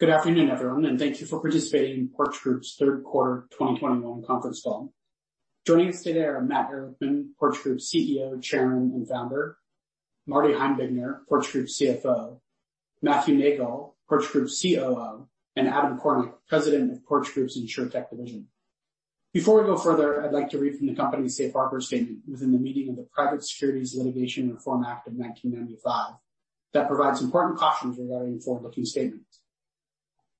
Good afternoon, everyone, and thank you for participating in Porch Group's third quarter 2021 conference call. Joining us today are Matt Ehrlichman, Porch Group CEO, Chairman, and Founder, Marty Heimbigner, Porch Group CFO, Matthew Neagle, Porch Group COO, and Adam Kornick, President of Porch Group's Insurtech division. Before we go further, I'd like to read from the company's safe harbor statement within the meaning of the Private Securities Litigation Reform Act of 1995 that provides important cautions regarding forward-looking statements.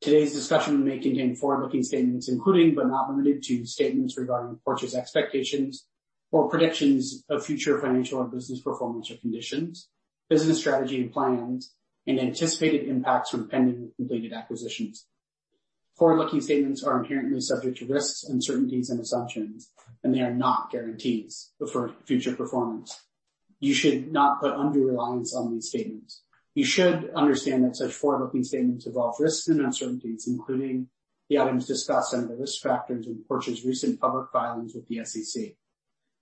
Today's discussion may contain forward-looking statements, including, but not limited to, statements regarding Porch's expectations or predictions of future financial or business performance or conditions, business strategy and plans, and anticipated impacts from pending and completed acquisitions. Forward-looking statements are inherently subject to risks, uncertainties, and assumptions, and they are not guarantees of future performance. You should not put undue reliance on these statements. You should understand that such forward-looking statements involve risks and uncertainties, including the items discussed under the risk factors in Porch's recent public filings with the SEC.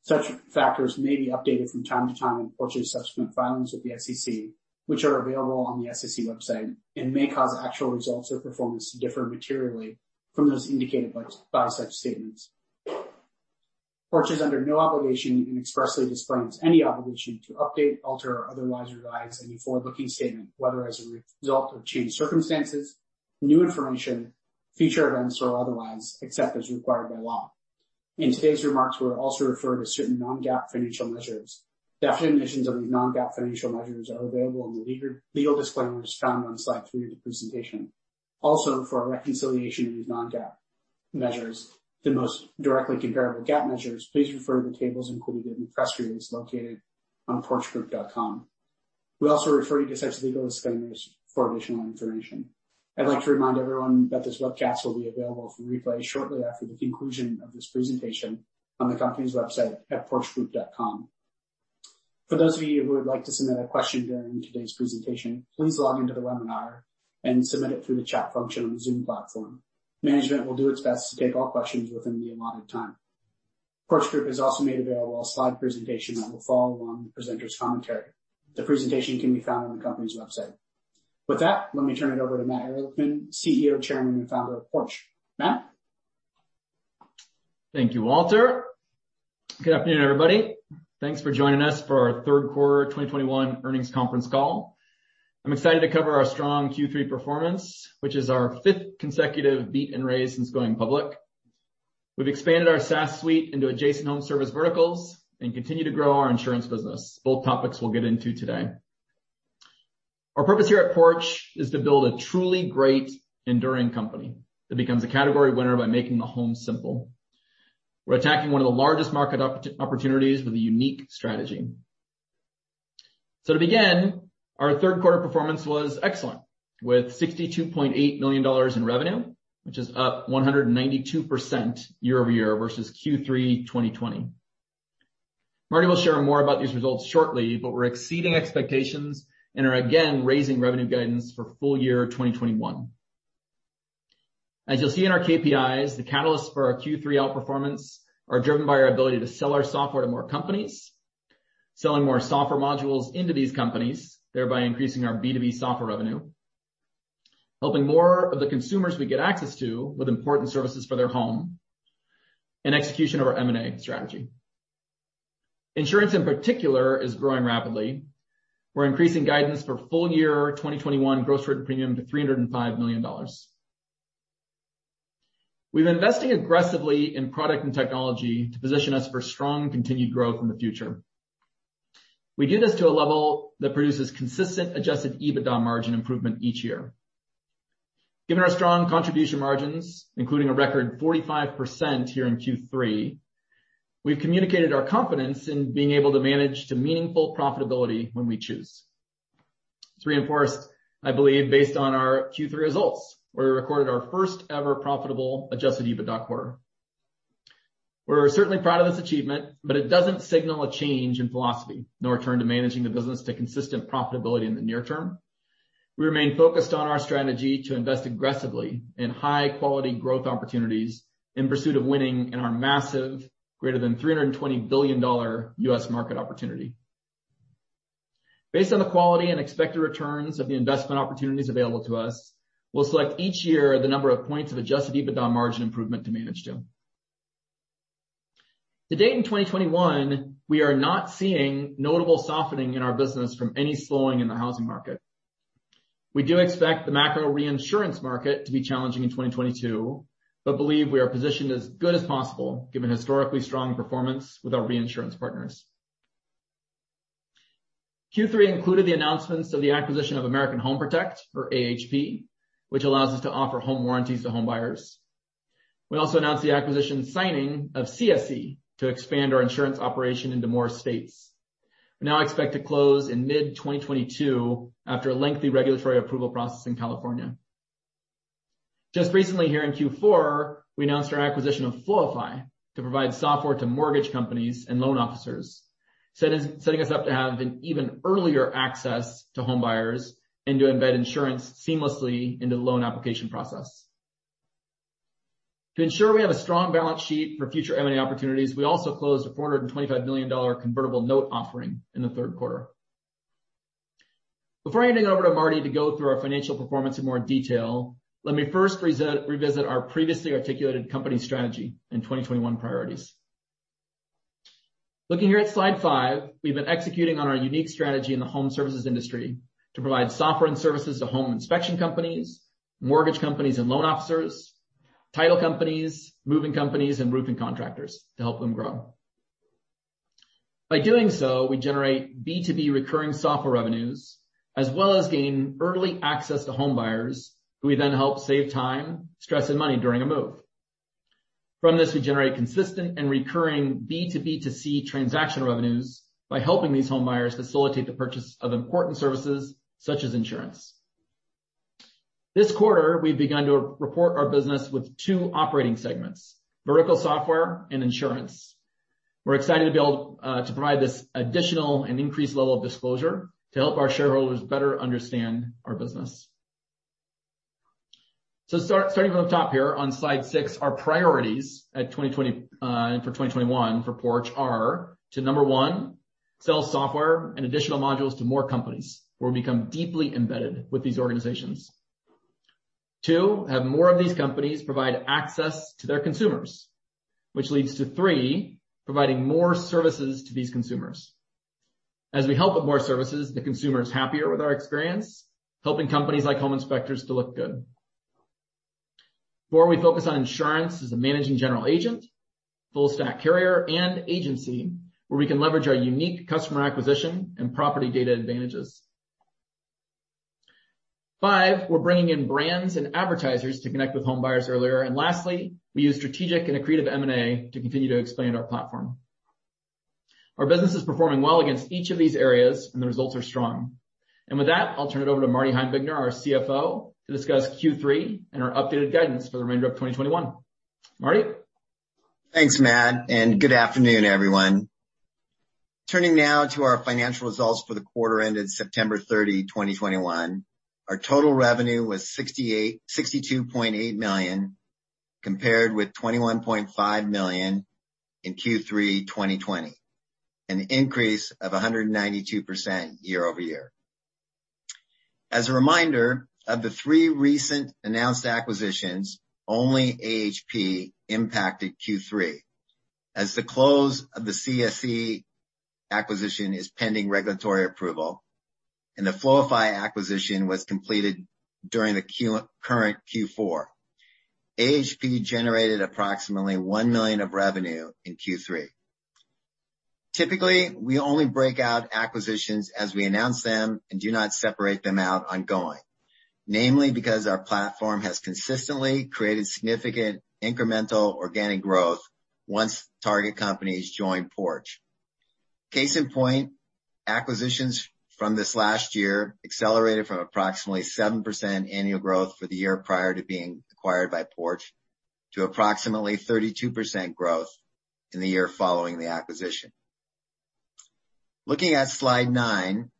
Such factors may be updated from time to time in Porch's subsequent filings with the SEC, which are available on the SEC website and may cause actual results or performance to differ materially from those indicated by such statements. Porch is under no obligation and expressly disclaims any obligation to update, alter, or otherwise revise any forward-looking statement, whether as a result of changed circumstances, new information, future events, or otherwise, except as required by law. In today's remarks, we'll also refer to certain non-GAAP financial measures. Definitions of these non-GAAP financial measures are available in the legal disclaimers found on slide three of the presentation. For a reconciliation of these non-GAAP measures, the most directly comparable GAAP measures, please refer to the tables included in the press release located on porchgroup.com. We also refer you to such legal disclaimers for additional information. I'd like to remind everyone that this webcast will be available for replay shortly after the conclusion of this presentation on the company's website at porchgroup.com. For those of you who would like to submit a question during today's presentation, please log in to the webinar and submit it through the chat function on the Zoom platform. Management will do its best to take all questions within the allotted time. Porch Group has also made available a slide presentation that will follow along the presenters' commentary. The presentation can be found on the company's website. With that, let me turn it over to Matt Ehrlichman, CEO, Chairman, and Founder of Porch. Matt? Thank you, Walter. Good afternoon, everybody. Thanks for joining us for our Q3 2021 earnings conference call. I'm excited to cover our strong Q3 performance, which is our fifth consecutive beat and raise since going public. We've expanded our SaaS suite into adjacent home service verticals and continue to grow our insurance business, both topics we'll get into today. Our purpose here at Porch is to build a truly great enduring company that becomes a category winner by making the home simple. We're attacking one of the largest market opportunities with a unique strategy. To begin, our third quarter performance was excellent, with $62.8 million in revenue, which is up 192% year-over-year versus Q3 2020. Marty will share more about these results shortly, but we're exceeding expectations and are again raising revenue guidance for full year 2021. As you'll see in our KPIs, the catalysts for our Q3 outperformance are driven by our ability to sell our software to more companies, selling more software modules into these companies, thereby increasing our B2B software revenue, helping more of the consumers we get access to with important services for their home, and execution of our M&A strategy. Insurance, in particular, is growing rapidly. We're increasing guidance for full year 2021 gross written premium to $305 million. We've been investing aggressively in product and technology to position us for strong continued growth in the future. We did this to a level that produces consistent adjusted EBITDA margin improvement each year. Given our strong contribution margins, including a record 45% here in Q3, we've communicated our confidence in being able to manage to meaningful profitability when we choose. It's reinforced, I believe, based on our Q3 results, where we recorded our first ever profitable adjusted EBITDA quarter. We're certainly proud of this achievement, but it doesn't signal a change in philosophy, nor a turn to managing the business to consistent profitability in the near term. We remain focused on our strategy to invest aggressively in high-quality growth opportunities in pursuit of winning in our massive greater than $320 billion U.S. market opportunity. Based on the quality and expected returns of the investment opportunities available to us, we'll select each year the number of points of adjusted EBITDA margin improvement to manage to. To date in 2021, we are not seeing notable softening in our business from any slowing in the housing market. We do expect the macro reinsurance market to be challenging in 2022, but believe we are positioned as good as possible, given historically strong performance with our reinsurance partners. Q3 included the announcements of the acquisition of American Home Protect, or AHP, which allows us to offer home warranties to homebuyers. We also announced the acquisition signing of CSE to expand our insurance operation into more states. We now expect to close in mid-2022 after a lengthy regulatory approval process in California. Just recently here in Q4, we announced our acquisition of Floify to provide software to mortgage companies and loan officers, setting us up to have an even earlier access to homebuyers and to embed insurance seamlessly into the loan application process. To ensure we have a strong balance sheet for future M&A opportunities, we also closed a $425 million convertible note offering in the third quarter. Before handing it over to Marty to go through our financial performance in more detail, let me first revisit our previously articulated company strategy and 2021 priorities. Looking here at slide five, we've been executing on our unique strategy in the home services industry to provide software and services to home inspection companies, mortgage companies and loan officers, title companies, moving companies, and roofing contractors to help them grow. By doing so, we generate B2B recurring software revenues, as well as gain early access to home buyers who we then help save time, stress, and money during a move. From this, we generate consistent and recurring B2B2C transaction revenues by helping these home buyers facilitate the purchase of important services, such as insurance. This quarter, we've begun to report our business with two operating segments, vertical software and insurance. We're excited to be able to provide this additional and increased level of disclosure to help our shareholders better understand our business. Starting from the top here on slide six, our priorities at 2020 and for 2021 for Porch are to, number one, sell software and additional modules to more companies, where we become deeply embedded with these organizations. Two, have more of these companies provide access to their consumers. Which leads to three, providing more services to these consumers. As we help with more services, the consumer is happier with our experience, helping companies like home inspectors to look good. Four, we focus on insurance as a managing general agent, full stack carrier, and agency, where we can leverage our unique customer acquisition and property data advantages. Five, we're bringing in brands and advertisers to connect with home buyers earlier. And lastly, we use strategic and accretive M&A to continue to expand our platform. Our business is performing well against each of these areas, and the results are strong. With that, I'll turn it over to Marty Heimbigner, our CFO, to discuss Q3 and our updated guidance for the remainder of 2021. Marty? Thanks, Matt, and good afternoon, everyone. Turning now to our financial results for the quarter ended September 30, 2021. Our total revenue was $62.8 million, compared with $21.5 million in Q3 2020. An increase of 192% year-over-year. As a reminder, of the three recent announced acquisitions, only AHP impacted Q3, as the close of the CSE acquisition is pending regulatory approval, and the Floify acquisition was completed during the current Q4. AHP generated approximately $1 million of revenue in Q3. Typically, we only break out acquisitions as we announce them and do not separate them out ongoing, namely because our platform has consistently created significant incremental organic growth once target companies join Porch. Case in point, acquisitions from this last year accelerated from approximately 7% annual growth for the year prior to being acquired by Porch to approximately 32% growth in the year following the acquisition. Looking at slide nine,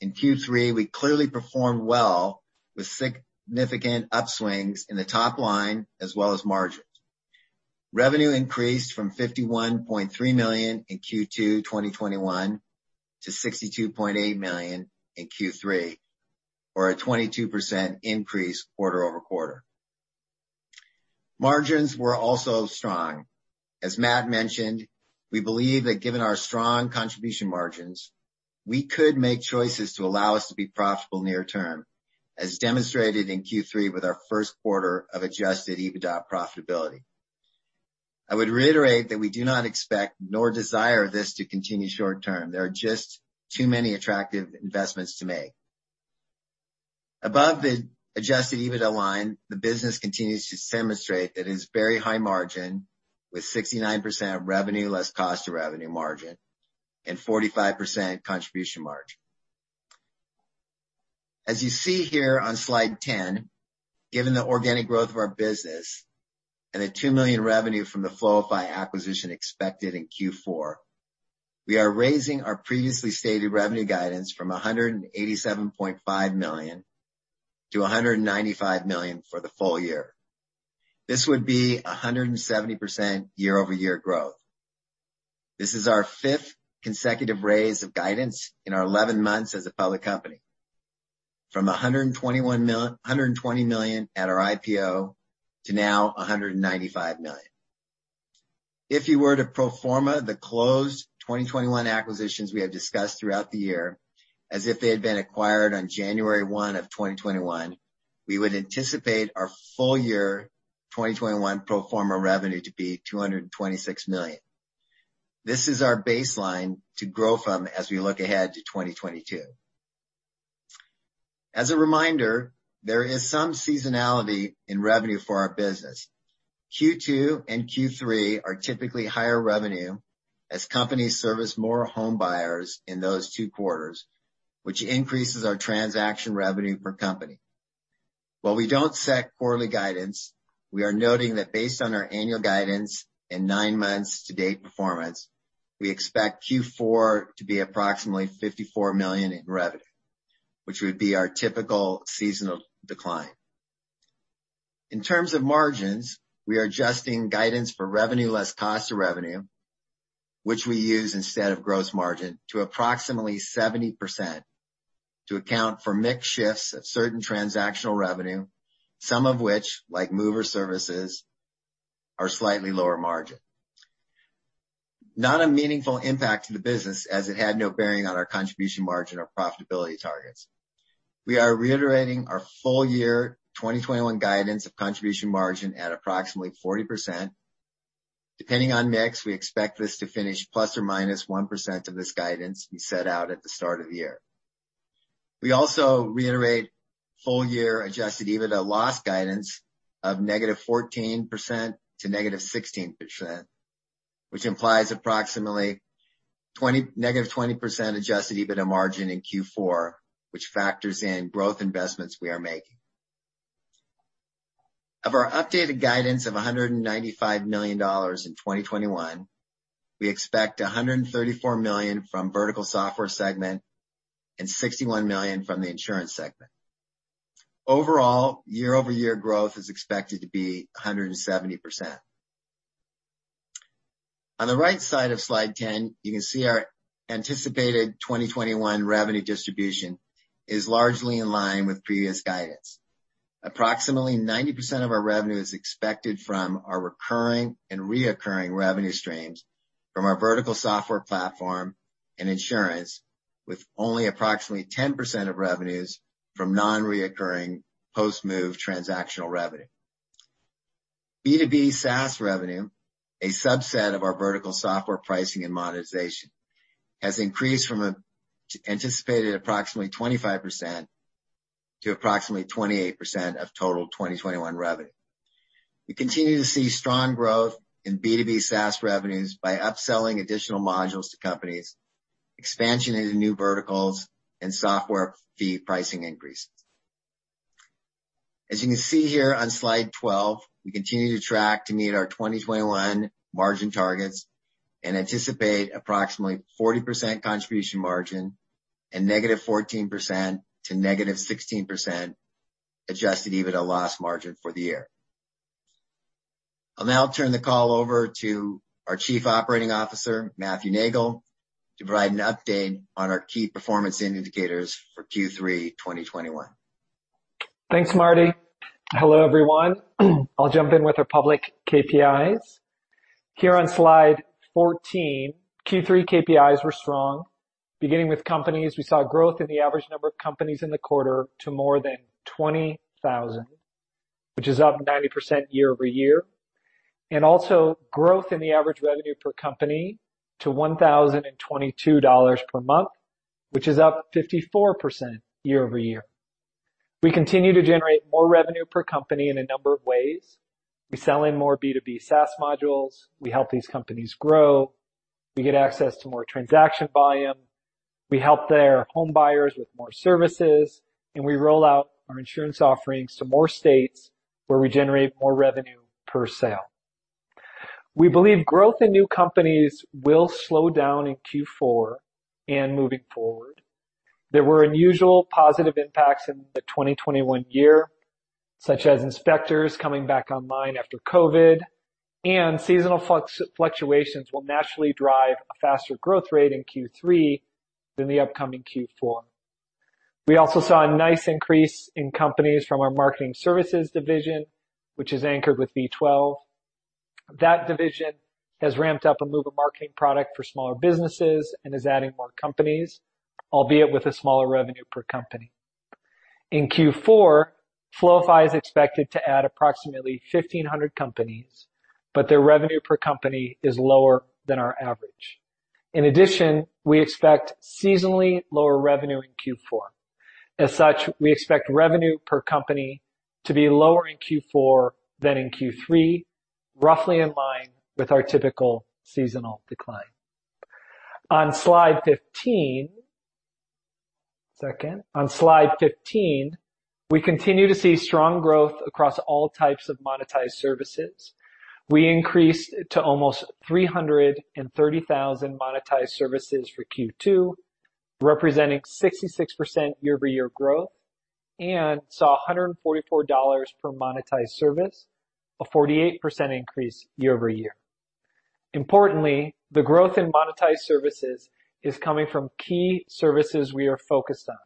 in Q3, we clearly performed well with significant upswings in the top line as well as margins. Revenue increased from $51.3 million in Q2 2021 to $62.8 million in Q3, or a 22% increase quarter-over-quarter. Margins were also strong. As Matt mentioned, we believe that given our strong contribution margins, we could make choices to allow us to be profitable near term, as demonstrated in Q3 with our first quarter of adjusted EBITDA profitability. I would reiterate that we do not expect nor desire this to continue short term. There are just too many attractive investments to make. Above the adjusted EBITDA line, the business continues to demonstrate that it is very high margin with 69% of revenue less cost to revenue margin and 45% contribution margin. As you see here on slide 10, given the organic growth of our business and the $2 million revenue from the Floify acquisition expected in Q4, we are raising our previously stated revenue guidance from $187.5 million-$195 million for the full year. This would be 170% year-over-year growth. This is our fifth consecutive raise of guidance in our 11 months as a public company from $120 million at our IPO to now $195 million. If you were to pro forma the closed 2021 acquisitions we have discussed throughout the year as if they had been acquired on January 1 of 2021, we would anticipate our full year 2021 pro forma revenue to be $226 million. This is our baseline to grow from as we look ahead to 2022. As a reminder, there is some seasonality in revenue for our business. Q2 and Q3 are typically higher revenue as companies service more home buyers in those two quarters, which increases our transaction revenue per company. While we don't set quarterly guidance, we are noting that based on our annual guidance and nine months to date performance, we expect Q4 to be approximately $54 million in revenue. Which would be our typical seasonal decline. In terms of margins, we are adjusting guidance for revenue less cost of revenue, which we use instead of gross margin, to approximately 70% to account for mix shifts of certain transactional revenue, some of which, like mover services, are slightly lower margin. Not a meaningful impact to the business as it had no bearing on our contribution margin or profitability targets. We are reiterating our full year 2021 guidance of contribution margin at approximately 40%. Depending on mix, we expect this to finish +-1% of this guidance we set out at the start of the year. We also reiterate full year adjusted EBITDA loss guidance of -14% to -16%, which implies approximately negative 20% adjusted EBITDA margin in Q4, which factors in growth investments we are making. Of our updated guidance of $195 million in 2021, we expect $134 million from vertical software segment and $61 million from the insurance segment. Overall, year-over-year growth is expected to be 170%. On the right side of slide 10, you can see our anticipated 2021 revenue distribution is largely in line with previous guidance. Approximately 90% of our revenue is expected from our recurring and reoccurring revenue streams from our vertical software platform and insurance, with only approximately 10% of revenues from non-reoccurring post-move transactional revenue. B2B SaaS revenue, a subset of our vertical software pricing and monetization, has increased from anticipated approximately 25% to approximately 28% of total 2021 revenue. We continue to see strong growth in B2B SaaS revenues by upselling additional modules to companies, expansion into new verticals, and software fee pricing increases. As you can see here on slide 12, we continue to track to meet our 2021 margin targets and anticipate approximately 40% contribution margin and -14% to -16% adjusted EBITDA loss margin for the year. I'll now turn the call over to our Chief Operating Officer, Matthew Neagle, to provide an update on our key performance indicators for Q3 2021. Thanks, Marty. Hello, everyone. I'll jump in with our public KPIs. Here on slide 14, Q3 KPIs were strong. Beginning with companies, we saw growth in the average number of companies in the quarter to more than 20,000, which is up 90% year-over-year. Also growth in the average revenue per company to $1,022 per month, which is up 54% year-over-year. We continue to generate more revenue per company in a number of ways. We sell in more B2B SaaS modules. We help these companies grow. We get access to more transaction volume. We help their home buyers with more services, and we roll out our insurance offerings to more states where we generate more revenue per sale. We believe growth in new companies will slow down in Q4 and moving forward. There were unusual positive impacts in the 2021 year, such as inspectors coming back online after COVID, and seasonal fluctuations will naturally drive a faster growth rate in Q3 than the upcoming Q4. We also saw a nice increase in companies from our marketing services division, which is anchored with V12. That division has ramped up a move of marketing product for smaller businesses and is adding more companies, albeit with a smaller revenue per company. In Q4, Floify is expected to add approximately 1,500 companies, but their revenue per company is lower than our average. In addition, we expect seasonally lower revenue in Q4. As such, we expect revenue per company to be lower in Q4 than in Q3, roughly in line with our typical seasonal decline. On slide 15. One second. On slide 15, we continue to see strong growth across all types of monetized services. We increased to almost 330,000 monetized services for Q2, representing 66% year-over-year growth, and saw $144 per monetized service, a 48% increase year-over-year. Importantly, the growth in monetized services is coming from key services we are focused on,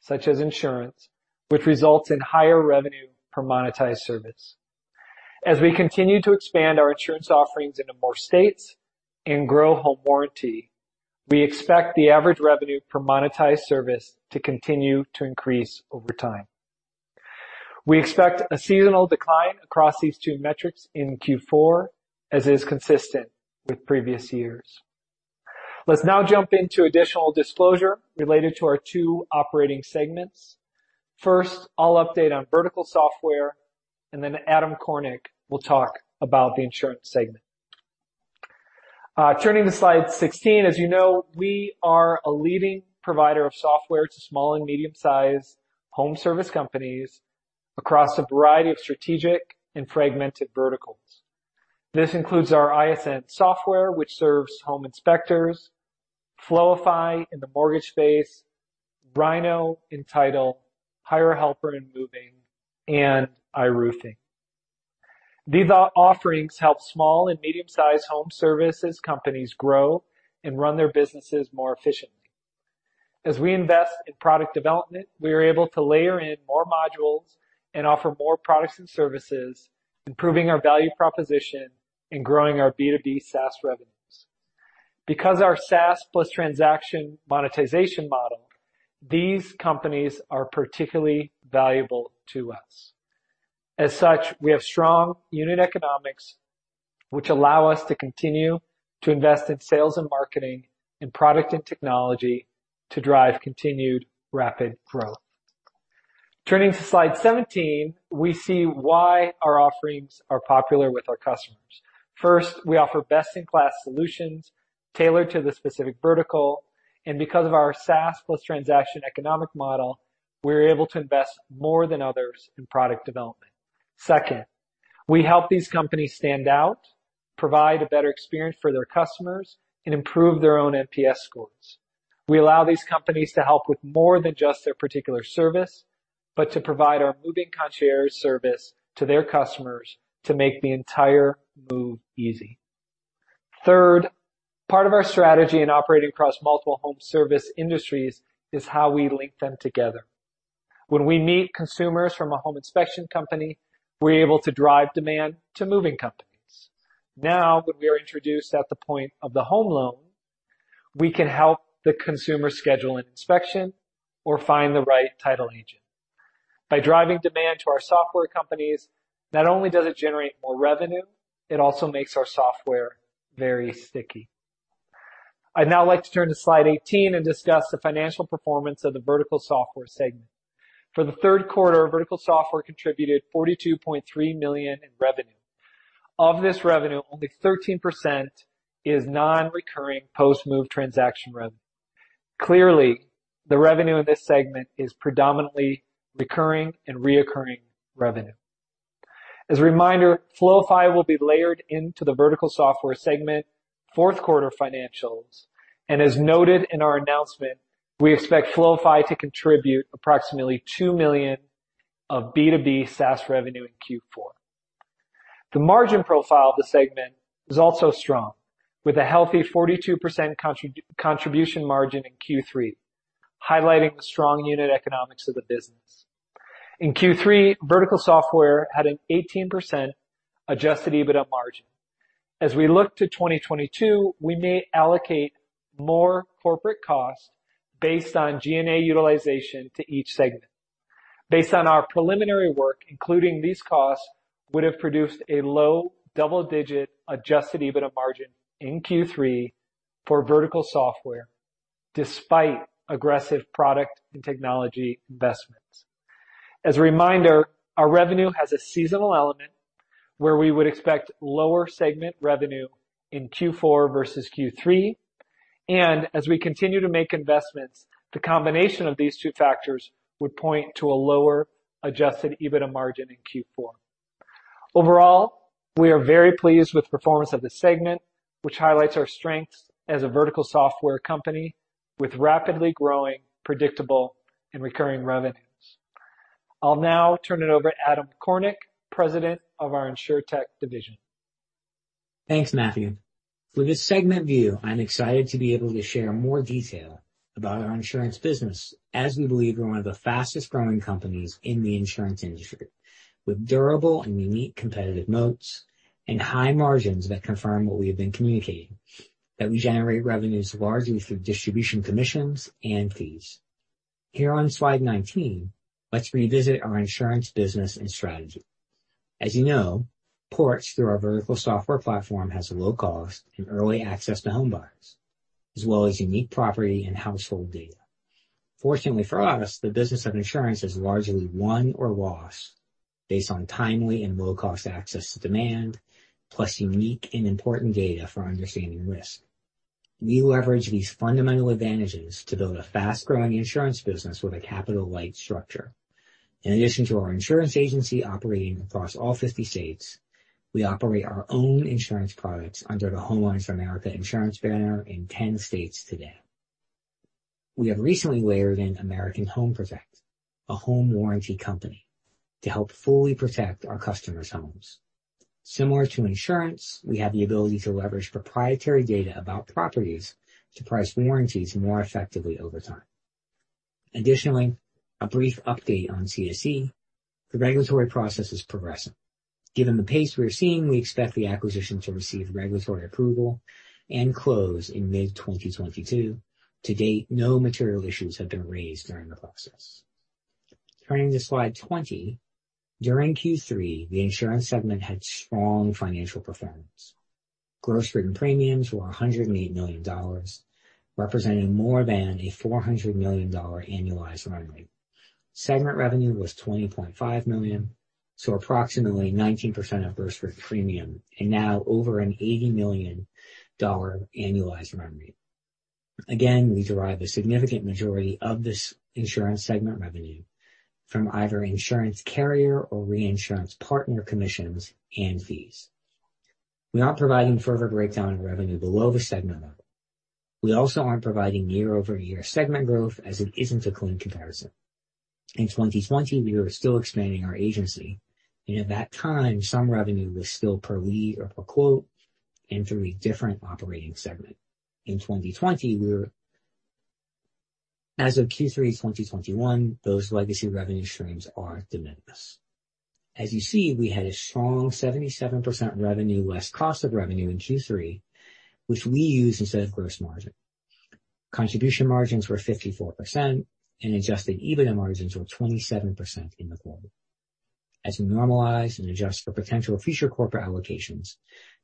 such as insurance, which results in higher revenue per monetized service. As we continue to expand our insurance offerings into more states and grow home warranty, we expect the average revenue per monetized service to continue to increase over time. We expect a seasonal decline across these two metrics in Q4, as is consistent with previous years. Let's now jump into additional disclosure related to our two operating segments. First, I'll update on vertical software, and then Adam Kornick will talk about the insurance segment. Turning to slide 16, as you know, we are a leading provider of software to small and medium-sized home service companies across a variety of strategic and fragmented verticals. This includes our ISN software, which serves home inspectors, Floify in the mortgage space, Rynoh in title, HireAHelper in moving, and iRoofing. These offerings help small and medium-sized home services companies grow and run their businesses more efficiently. As we invest in product development, we are able to layer in more modules and offer more products and services, improving our value proposition and growing our B2B SaaS revenues. Because our SaaS plus transaction monetization model, these companies are particularly valuable to us. As such, we have strong unit economics which allow us to continue to invest in sales and marketing, in product and technology to drive continued rapid growth. Turning to slide 17, we see why our offerings are popular with our customers. First, we offer best-in-class solutions tailored to the specific vertical, and because of our SaaS plus transaction economic model, we're able to invest more than others in product development. Second, we help these companies stand out, provide a better experience for their customers, and improve their own NPS scores. We allow these companies to help with more than just their particular service, but to provide our Moving Concierge service to their customers to make the entire move easy. Third, part of our strategy in operating across multiple home service industries is how we link them together. When we meet consumers from a home inspection company, we're able to drive demand to moving companies. Now, when we are introduced at the point of the home loan, we can help the consumer schedule an inspection or find the right title agent. By driving demand to our software companies, not only does it generate more revenue, it also makes our software very sticky. I'd now like to turn to slide 18 and discuss the financial performance of the Vertical Software segment. For the third quarter, Vertical Software contributed $42.3 million in revenue. Of this revenue, only 13% is non-recurring post-move transaction revenue. Clearly, the revenue in this segment is predominantly recurring and reoccurring revenue. As a reminder, Floify will be layered into the Vertical Software segment fourth quarter financials, and as noted in our announcement, we expect Floify to contribute approximately $2 million of B2B SaaS revenue in Q4. The margin profile of the segment is also strong, with a healthy 42% contribution margin in Q3, highlighting the strong unit economics of the business. In Q3, vertical software had an 18% adjusted EBITDA margin. As we look to 2022, we may allocate more corporate costs based on G&A utilization to each segment. Based on our preliminary work, including these costs, it would have produced a low double-digit adjusted EBITDA margin in Q3 for vertical software, despite aggressive product and technology investments. As a reminder, our revenue has a seasonal element where we would expect lower segment revenue in Q4 versus Q3. As we continue to make investments, the combination of these two factors would point to a lower adjusted EBITDA margin in Q4. Overall, we are very pleased with the performance of the segment, which highlights our strengths as a vertical software company with rapidly growing, predictable, and recurring revenues. I'll now turn it over to Adam Kornick, President of our Insurtech division. Thanks, Matthew. For this segment view, I'm excited to be able to share more detail about our insurance business as we believe we're one of the fastest-growing companies in the insurance industry, with durable and unique competitive moats and high margins that confirm what we have been communicating, that we generate revenues largely through distribution commissions and fees. Here on slide 19, let's revisit our insurance business and strategy. As you know, Porch, through our vertical software platform, has a low cost and early access to home buyers, as well as unique property and household data. Fortunately for us, the business of insurance is largely won or lost based on timely and low-cost access to demand, plus unique and important data for understanding risk. We leverage these fundamental advantages to build a fast-growing insurance business with a capital-light structure. In addition to our insurance agency operating across all 50 states, we operate our own insurance products under the Homeowners of America Insurance banner in 10 states today. We have recently layered in American Home Protect, a home warranty company, to help fully protect our customers' homes. Similar to insurance, we have the ability to leverage proprietary data about properties to price warranties more effectively over time. Additionally, a brief update on CSE. The regulatory process is progressing. Given the pace we are seeing, we expect the acquisition to receive regulatory approval and close in mid-2022. To date, no material issues have been raised during the process. Turning to slide 20. During Q3, the insurance segment had strong financial performance. Gross written premiums were $108 million, representing more than $400 million annualized run rate. Segment revenue was $20.5 million, so approximately 19% of gross written premium and now over an $80 million annualized run rate. Again, we derive a significant majority of this insurance segment revenue from either insurance carrier or reinsurance partner commissions and fees. We aren't providing further breakdown in revenue below the segment level. We also aren't providing year-over-year segment growth as it isn't a clean comparison. In 2020, we were still expanding our agency, and at that time, some revenue was still per lead or per quote and through a different operating segment. As of Q3 2021, those legacy revenue streams are de minimis. As you see, we had a strong 77% revenue less cost of revenue in Q3, which we use instead of gross margin. Contribution margins were 54% and adjusted EBITDA margins were 27% in the quarter. As we normalize and adjust for potential future corporate allocations,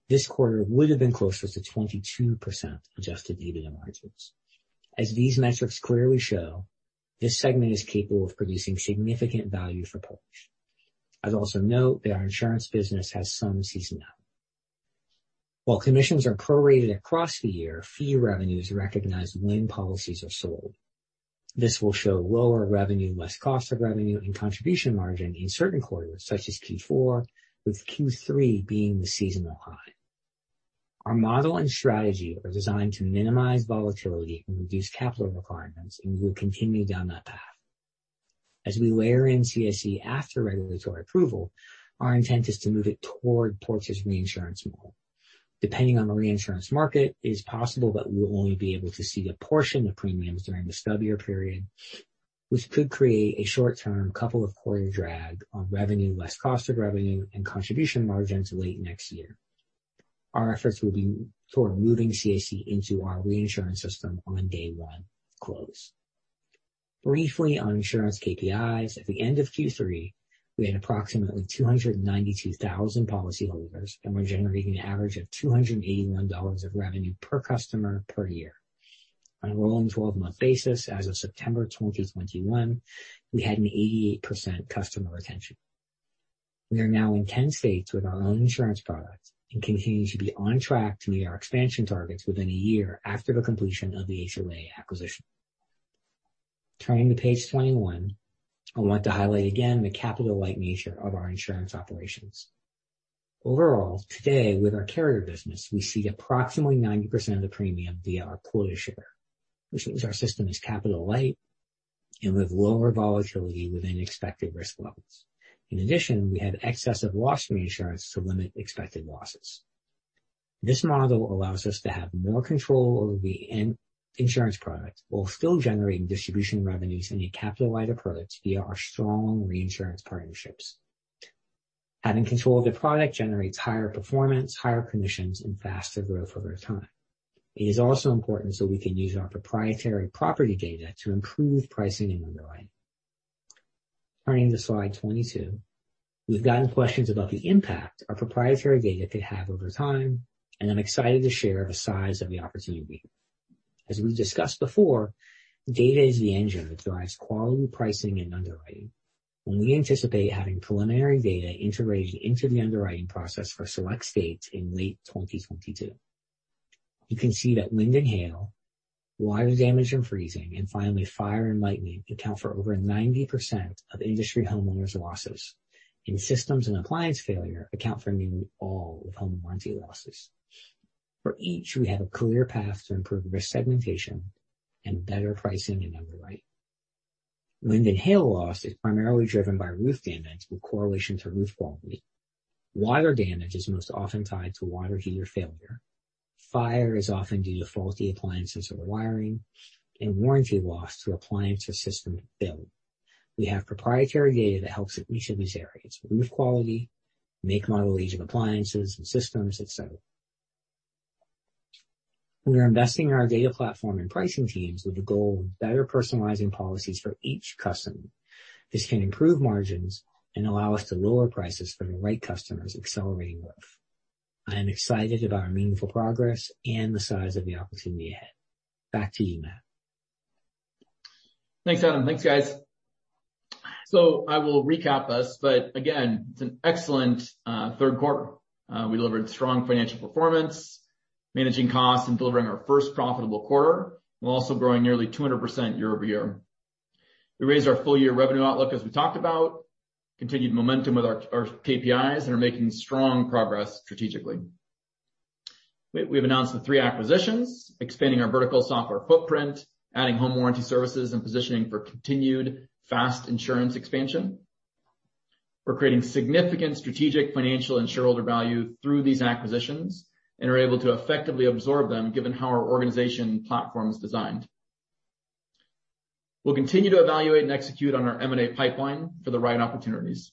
this quarter would have been closer to 22% adjusted EBITDA margins. As these metrics clearly show, this segment is capable of producing significant value for Porch. I'd also note that our insurance business has some seasonality. While commissions are prorated across the year, fee revenue is recognized when policies are sold. This will show lower revenue, less cost of revenue, and contribution margin in certain quarters, such as Q4, with Q3 being the seasonal high. Our model and strategy are designed to minimize volatility and reduce capital requirements, and we will continue down that path. As we layer in CSE after regulatory approval, our intent is to move it toward Porch's reinsurance model. Depending on the reinsurance market, it is possible that we will only be able to cede a portion of premiums during the stub year period, which could create a short-term couple-of-quarter drag on revenue less cost of revenue and contribution margins late next year. Our efforts will be toward moving CSE into our reinsurance system on day-one close. Briefly on insurance KPIs, at the end of Q3, we had approximately 292,000 policyholders, and we're generating an average of $281 of revenue per customer per year. On a rolling 12-month basis as of September 2021, we had an 88% customer retention. We are now in 10 states with our own insurance products and continue to be on track to meet our expansion targets within a year after the completion of the HOA acquisition. Turning to page 21, I want to highlight again the capital light nature of our insurance operations. Overall, today with our carrier business, we cede approximately 90% of the premium via our quota share, which means our system is capital light and with lower volatility within expected risk levels. In addition, we have excess of loss reinsurance to limit expected losses. This model allows us to have more control over the end insurance product while still generating distribution revenues in a capital light approach via our strong reinsurance partnerships. Having control of the product generates higher performance, higher commissions, and faster growth over time. It is also important so we can use our proprietary property data to improve pricing and underwriting. Turning to slide 22. We've gotten questions about the impact our proprietary data could have over time, and I'm excited to share the size of the opportunity. As we've discussed before, data is the engine that drives quality pricing and underwriting. We anticipate having preliminary data integrated into the underwriting process for select states in late 2022. You can see that wind and hail, water damage and freezing, and finally, fire and lightning account for over 90% of industry homeowners' losses, and systems and appliance failure account for nearly all of home warranty losses. For each, we have a clear path to improve risk segmentation and better pricing and underwriting. Wind and hail loss is primarily driven by roof damage with correlation to roof quality. Water damage is most often tied to water heater failure. Fire is often due to faulty appliances or wiring, and warranty loss to appliance or system build. We have proprietary data that helps in each of these areas, roof quality, make, model, age of appliances and systems, et cetera. We are investing in our data platform and pricing teams with the goal of better personalizing policies for each customer. This can improve margins and allow us to lower prices for the right customers, accelerating growth. I am excited about our meaningful progress and the size of the opportunity ahead. Back to you, Matt. Thanks, Adam. Thanks, guys. I will recap us, but again, it's an excellent third quarter. We delivered strong financial performance, managing costs and delivering our first profitable quarter. We're also growing nearly 200% year-over-year. We raised our full-year revenue outlook as we talked about, continued momentum with our KPIs and are making strong progress strategically. We've announced the three acquisitions, expanding our vertical software footprint, adding home warranty services and positioning for continued fast insurance expansion. We're creating significant strategic financial and shareholder value through these acquisitions and are able to effectively absorb them given how our organization platform is designed. We'll continue to evaluate and execute on our M&A pipeline for the right opportunities.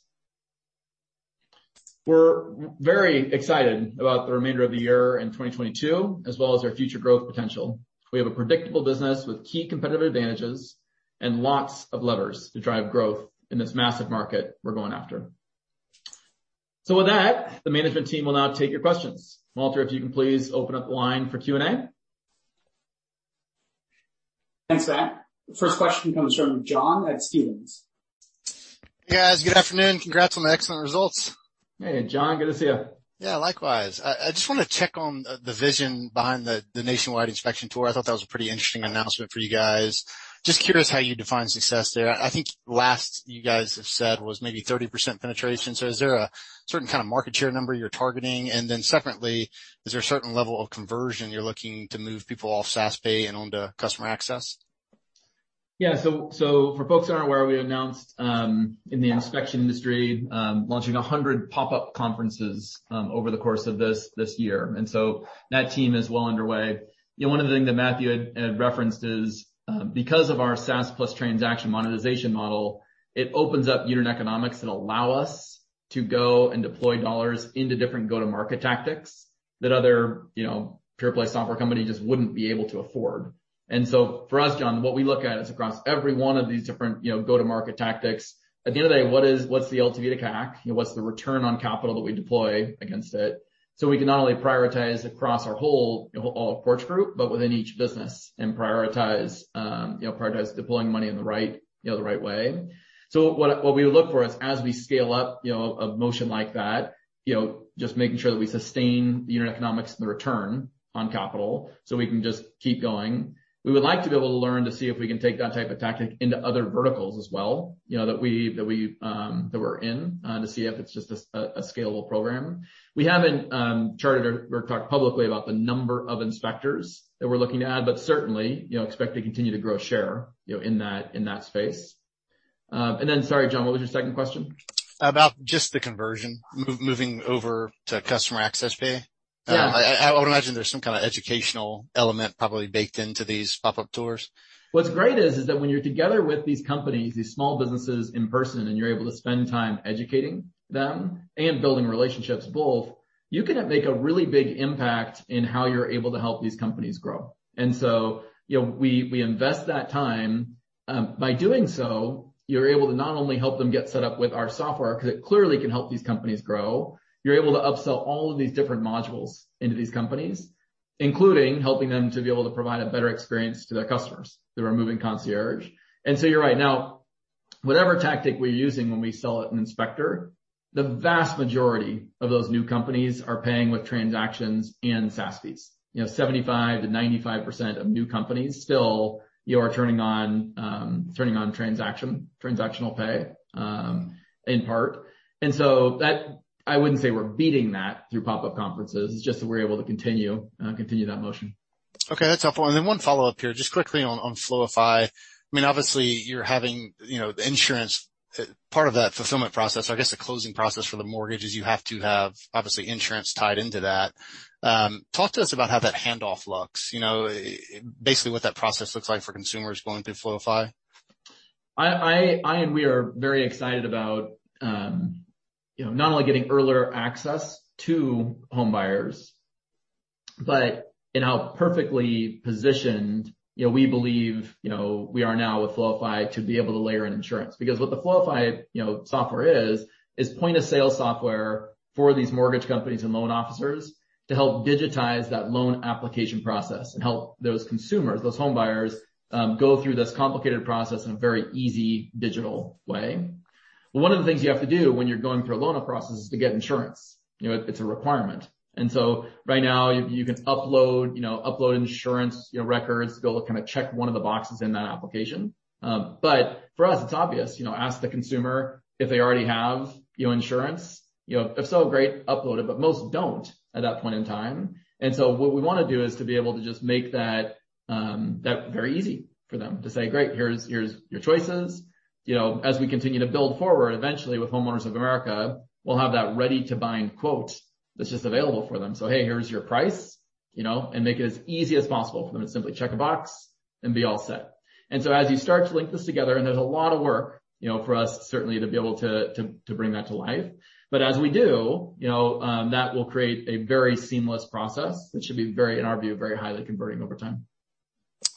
We're very excited about the remainder of the year in 2022, as well as our future growth potential. We have a predictable business with key competitive advantages and lots of levers to drive growth in this massive market we're going after. With that, the management team will now take your questions. Walter, if you can please open up the line for Q&A. Thanks, Matt. The first question comes from John at Stephens. Hey guys, good afternoon. Congrats on the excellent results. Hey John, good to see you. Yeah, likewise. I just want to check on the vision behind the nationwide inspection tour. I thought that was a pretty interesting announcement for you guys. Just curious how you define success there. I think last you guys have said was maybe 30% penetration. Is there a certain kind of market share number you're targeting? Separately, is there a certain level of conversion you're looking to move people off SaaS pay and onto customer access? Yeah. For folks that aren't aware, we announced in the inspection industry launching 100 pop-up conferences over the course of this year. That team is well underway. You know, one of the things that Matthew had referenced is, because of our SaaS plus transaction monetization model, it opens up unit economics that allow us to go and deploy dollars into different go-to-market tactics that other, you know, pure play software company just wouldn't be able to afford. For us, John, what we look at is across every one of these different, you know, go-to-market tactics. At the end of the day, what's the LTV to CAC? You know, what's the return on capital that we deploy against it? We can not only prioritize across our whole, you know, all of Porch Group, but within each business and prioritize deploying money in the right, you know, the right way. What we would look for is as we scale up, you know, a motion like that, you know, just making sure that we sustain the unit economics and the return on capital, so we can just keep going. We would like to be able to learn to see if we can take that type of tactic into other verticals as well, you know, that we're in, to see if it's just a scalable program. We haven't charted or talked publicly about the number of inspectors that we're looking to add, but certainly you know we expect to continue to grow share you know in that space. Sorry, John, what was your second question? About just the conversion, moving over to customer access pay. Yeah. I would imagine there's some kind of educational element probably baked into these pop-up tours? What's great is that when you're together with these companies, these small businesses in person, and you're able to spend time educating them and building relationships both, you can make a really big impact in how you're able to help these companies grow. You know, we invest that time. By doing so, you're able to not only help them get set up with our software because it clearly can help these companies grow. You're able to upsell all of these different modules into these companies, including helping them to be able to provide a better experience to their customers through our Moving Concierge. You're right. Now, whatever tactic we're using when we sell an inspector, the vast majority of those new companies are paying with transactions and SaaS fees. You know, 75%-95% of new companies still, you know, are turning on transactional pay in part. I wouldn't say we're beating that through pop-up conferences. It's just that we're able to continue that motion. Okay, that's helpful. Then one follow-up here, just quickly on Floify. I mean, obviously you're having, you know, the insurance part of that fulfillment process or I guess the closing process for the mortgage is you have to have obviously insurance tied into that. Talk to us about how that handoff looks. You know, basically what that process looks like for consumers going through Floify? I and we are very excited about, you know, not only getting earlier access to homebuyers, but in how perfectly positioned, you know, we believe, you know, we are now with Floify to be able to layer in insurance. Because what the Floify, you know, software is point of sale software for these mortgage companies and loan officers to help digitize that loan application process and help those consumers, those homebuyers, go through this complicated process in a very easy digital way. One of the things you have to do when you're going through a loan process is to get insurance. You know, it's a requirement. Right now you can upload, you know, upload insurance, you know, records, be able to kind of check one of the boxes in that application. For us, it's obvious, you know, ask the consumer if they already have, you know, insurance. You know, if so, great, upload it, but most don't at that point in time. What we wanna do is to be able to just make that very easy for them to say, "Great, here's your choices." You know, as we continue to build forward, eventually with Homeowners of America, we'll have that ready to bind quote that's just available for them. Hey, here's your price, you know, and make it as easy as possible for them to simply check a box and be all set. As you start to link this together, and there's a lot of work, you know, for us certainly to be able to bring that to life. As we do, you know, that will create a very seamless process, which should be very, in our view, very highly converting over time.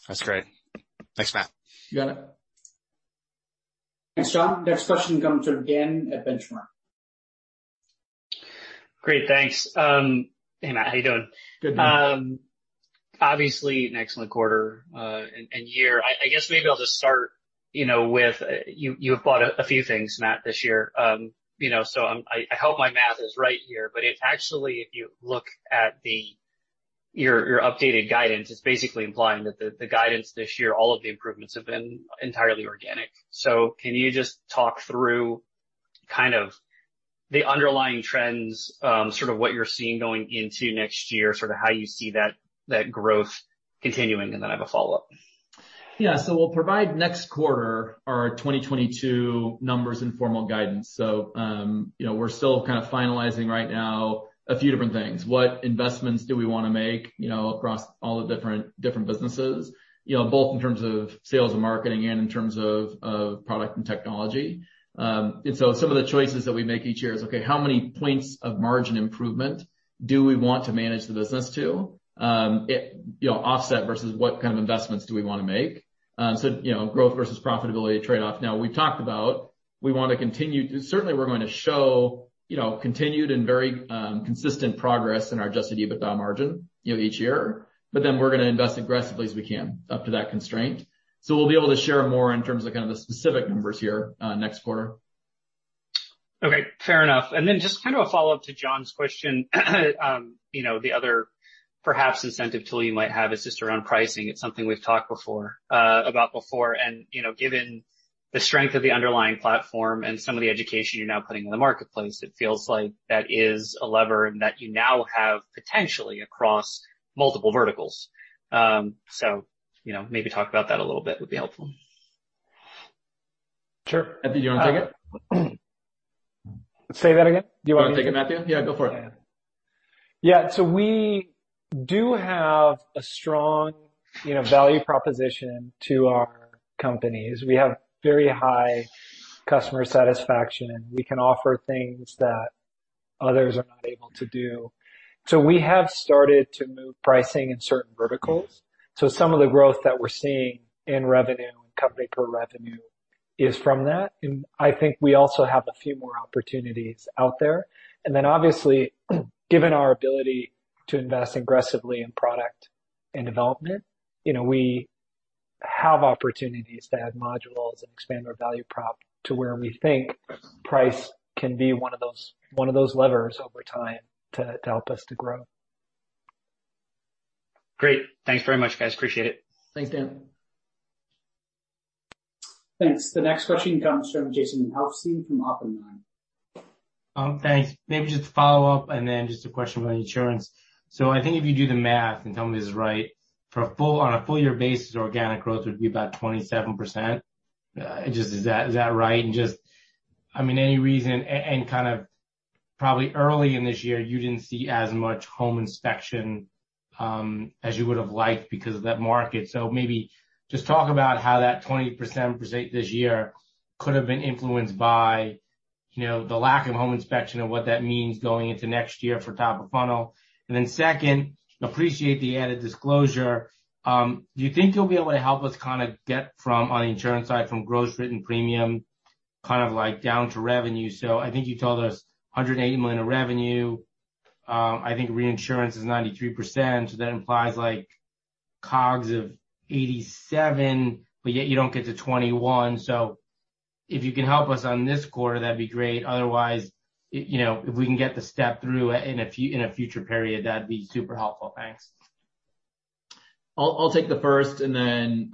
That's great. Thanks, Matt. You got it. Thanks, John. Next question comes from Dan at Benchmark. Great, thanks. Hey, Matt, how you doing? Good, man. Obviously an excellent quarter and year. I guess maybe I'll just start, you know, with you. You have bought a few things, Matt, this year. You know, I hope my math is right here, but if actually, if you look at your updated guidance, it's basically implying that the guidance this year, all of the improvements have been entirely organic. Can you just talk through kind of the underlying trends, sort of what you're seeing going into next year, sort of how you see that growth continuing? And then I have a follow-up. Yeah. We'll provide next quarter our 2022 numbers and formal guidance. You know, we're still kind of finalizing right now a few different things. What investments do we wanna make, you know, across all the different businesses, you know, both in terms of sales and marketing and in terms of product and technology. Some of the choices that we make each year is, okay, how many points of margin improvement do we want to manage the business to, you know, offset versus what kind of investments do we want to make? You know, growth versus profitability trade-off. Now, we've talked about we want to continue to. Certainly we're going to show, you know, continued and very consistent progress in our adjusted EBITDA margin, you know, each year, but then we're gonna invest aggressively as we can up to that constraint. We'll be able to share more in terms of kind of the specific numbers here next quarter. Okay, fair enough. Just kind of a follow-up to John's question. You know, the other perhaps incentive tool you might have is just around pricing. It's something we've talked about before. You know, given the strength of the underlying platform and some of the education you're now putting in the marketplace, it feels like that is a lever that you now have potentially across multiple verticals. You know, maybe talk about that a little bit would be helpful? Sure. Matthew, do you want to take it? Say that again. Do you want me to take it? You want to take it, Matthew? Yeah, go for it. Yeah. We do have a strong, you know, value proposition to our companies. We have very high customer satisfaction, and we can offer things that others are not able to do. We have started to move pricing in certain verticals. Some of the growth that we're seeing in revenue and company per revenue is from that. I think we also have a few more opportunities out there. Obviously, given our ability to invest aggressively in product and development, you know, we have opportunities to add modules and expand our value prop to where we think price can be one of those levers over time to help us to grow. Great. Thanks very much, guys. Appreciate it. Thanks, Dan. Thanks. The next question comes from Jason Helfstein from Oppenheimer. Thanks. Maybe just to follow up and then just a question about insurance. I think if you do the math and tell me this is right, on a full year basis, organic growth would be about 27%. Just, is that right? Just, I mean, any reason and kind of probably early in this year, you didn't see as much home inspection as you would have liked because of that market. Maybe just talk about how that 20% this year could have been influenced by, you know, the lack of home inspection and what that means going into next year for top of funnel. Second, I appreciate the added disclosure. Do you think you'll be able to help us kind of get from on the insurance side from gross written premium kind of like down to revenue? I think you told us $180 million of revenue. I think reinsurance is 93%. That implies like COGS of $87, but yet you don't get to $21. If you can help us on this quarter, that'd be great. Otherwise, you know, if we can get the step through in a future period, that'd be super helpful? Thanks. I'll take the first and then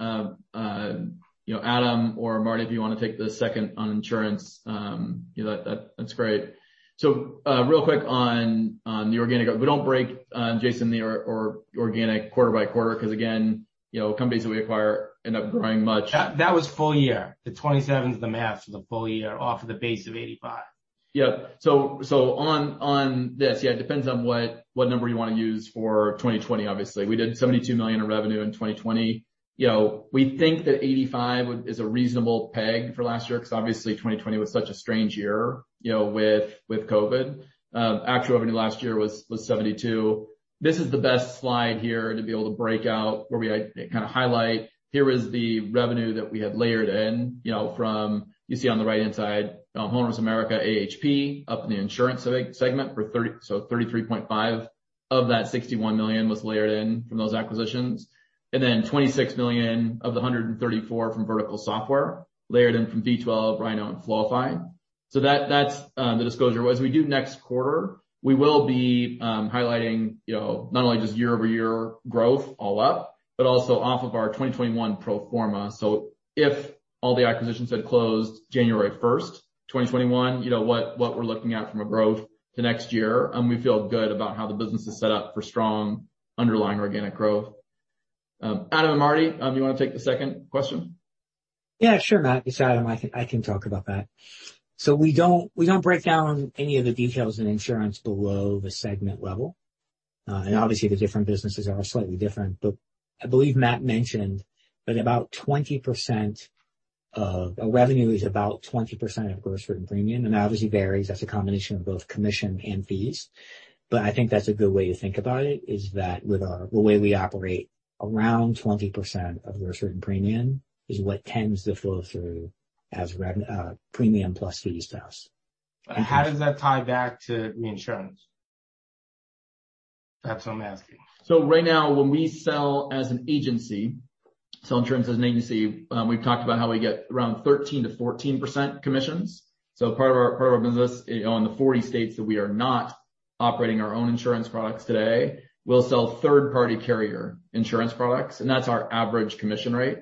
you know, Adam or Marty, if you want to take the second on insurance, that's great. Real quick on the organic growth. We don't break, Jason, the organic quarter by quarter because again, you know, companies that we acquire end up growing much- That was full year. The 27 is the math for the full year off of the base of 85. It depends on what number you want to use for 2020, obviously. We did $72 million in revenue in 2020. You know, we think that $85 is a reasonable peg for last year because obviously 2020 was such a strange year, you know, with Covid. Actual revenue last year was $72. This is the best slide here to be able to break out where we had kind of highlight here is the revenue that we have layered in, you know, from you see on the right-hand side, Homeowners of America AHP up in the insurance segment 33.5 of that $61 million was layered in from those acquisitions. Then $26 million of the 134 from vertical software layered in from V12, Rynoh and Floify. That's the disclosure was. We do next quarter, we will be highlighting, you know, not only just year-over-year growth all up, but also off of our 2021 pro forma. If all the acquisitions had closed January 1, 2021, you know what we're looking at from a growth to next year, and we feel good about how the business is set up for strong underlying organic growth. Adam and Marty, you want to take the second question? Yeah, sure, Matt. It's Adam. I can talk about that. We don't break down any of the details in insurance below the segment level. Obviously, the different businesses are slightly different. I believe Matt mentioned that about 20% of our revenue is about 20% of gross written premium, and obviously varies. That's a combination of both commission and fees. I think that's a good way to think about it, is that with the way we operate, around 20% of gross written premium is what tends to flow through as premium plus fees to us. How does that tie back to reinsurance? That's what I'm asking? Right now, when we sell insurance as an agency, we've talked about how we get around 13%-14% commissions. Part of our business on the 40 states that we are not operating our own insurance products today, we'll sell third-party carrier insurance products, and that's our average commission rate.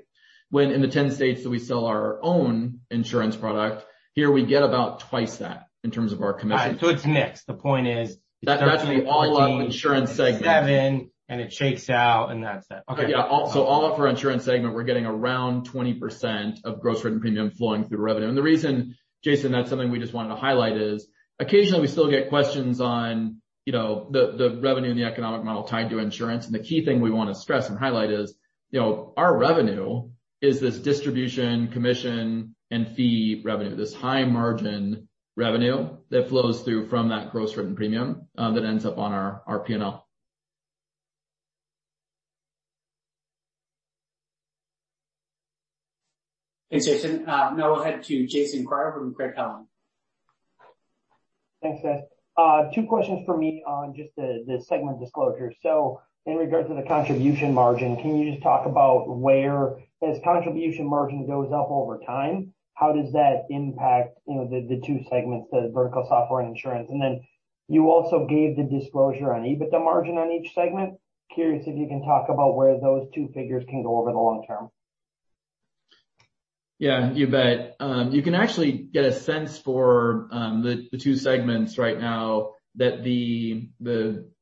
When in the 10 states that we sell our own insurance product, here we get about twice that in terms of our commission. All right, so it's mixed. The point is. That's the all up insurance segment. 13, 14, 27, and it shakes out, and that's it. Okay. Yeah. All up for insurance segment, we're getting around 20% of Gross Written Premium flowing through revenue. The reason, Jason, that's something we just wanted to highlight is occasionally we still get questions on, you know, the revenue and the economic model tied to insurance. The key thing we want to stress and highlight is, you know, our revenue is this distribution, commission, and fee revenue, this high margin revenue that flows through from that Gross Written Premium that ends up on our P&L. Thanks, Jason. Now we'll head to Jason Kreyer from Craig-Hallum. Thanks, guys. Two questions for me on just the segment disclosure. In regards to the contribution margin, can you just talk about where this contribution margin goes up over time? How does that impact, you know, the two segments, the vertical software and insurance? You also gave the disclosure on EBITDA margin on each segment. Curious if you can talk about where those two figures can go over the long term? Yeah, you bet. You can actually get a sense for the two segments right now that the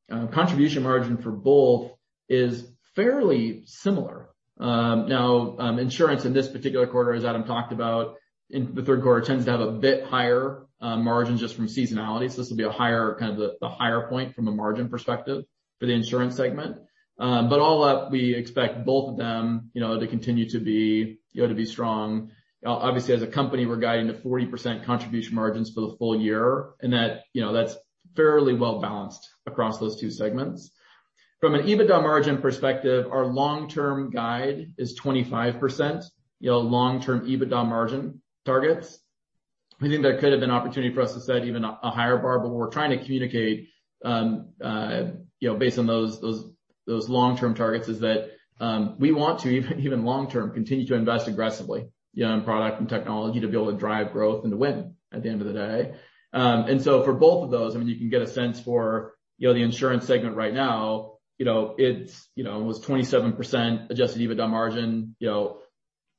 Contribution Margin for both is fairly similar. Now, insurance in this particular quarter, as Adam talked about, in the third quarter, tends to have a bit higher margin just from seasonality. This will be a higher, kind of the higher point from a margin perspective for the insurance segment. All that we expect both of them, you know, to continue to be, you know, to be strong. Obviously, as a company, we're guiding to 40% Contribution Margins for the full year, and that, you know, that's fairly well-balanced across those two segments. From an EBITDA margin perspective, our long-term guide is 25%, you know, long-term EBITDA margin targets. We think there could have been opportunity for us to set even a higher bar, but what we're trying to communicate, you know, based on those long-term targets is that, we want to even long-term continue to invest aggressively, you know, in product and technology to be able to drive growth and to win at the end of the day. For both of those, I mean, you can get a sense for, you know, the insurance segment right now. You know, it was 27% adjusted EBITDA margin. You know,